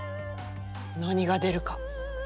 何が出るか。